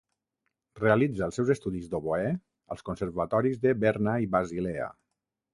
Realitza els seus estudis d'oboè als conservatoris de Berna i Basilea.